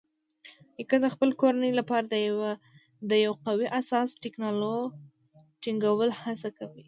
نیکه د خپل کورنۍ لپاره د یو قوي اساس ټینګولو هڅه کوي.